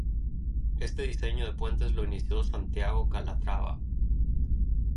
Este diseño de puentes lo inició Santiago Calatrava.